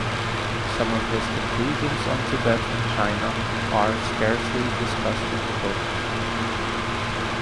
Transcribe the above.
Some of his conclusions on Tibet and China are scarcely discussed in the book.